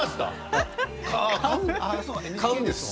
買うんです。